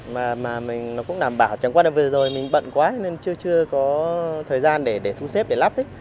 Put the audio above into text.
mà mình cũng đảm bảo chẳng qua năm vừa rồi mình bận quá nên chưa có thời gian để thu xếp để lắp